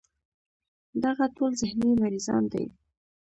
دغه ټول ذهني مريضان دي